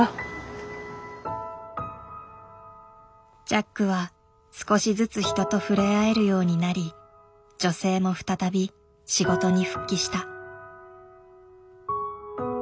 ジャックは少しずつ人と触れ合えるようになり女性も再び仕事に復帰した。